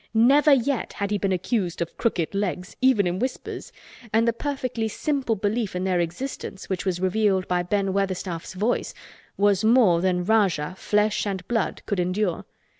Never yet had he been accused of crooked legs—even in whispers—and the perfectly simple belief in their existence which was revealed by Ben Weatherstaff's voice was more than Rajah flesh and blood could endure.